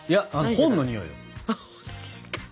本のにおいか。